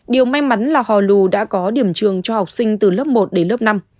điều may mắn là hò lù đã có điểm trường cho học sinh từ lớp một đến lớp năm